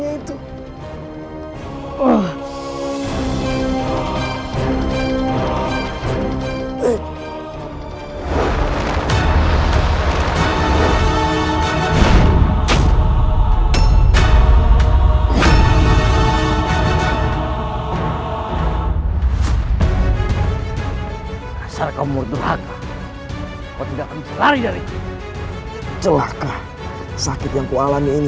aku akan menangkapmu